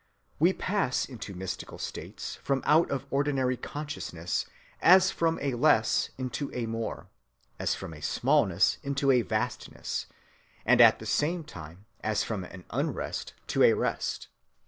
We pass into mystical states from out of ordinary consciousness as from a less into a more, as from a smallness into a vastness, and at the same time as from an unrest to a rest.